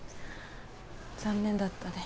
残念だったね。